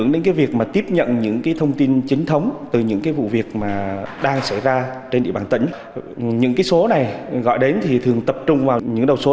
đang xảy ra trên địa bàn tỉnh những số này gọi đến thường tập trung vào những đầu số